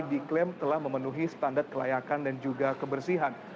diklaim telah memenuhi standar kelayakan dan juga kebersihan